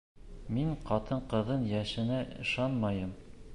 Мин ҡатын-ҡыҙҙың йәшенә ышанмайым.